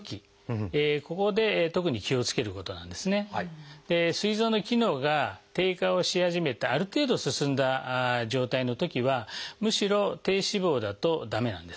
すい臓の機能が低下をし始めたある程度進んだ状態のときはむしろ低脂肪だと駄目なんです。